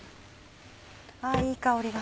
あいい香りが。